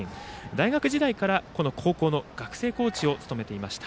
大学時代から高校の学生コーチを務めていました。